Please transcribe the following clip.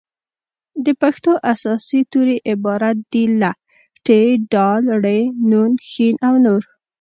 د پښتو اساسي توري عبارت دي له : ټ ډ ړ ڼ ښ او نور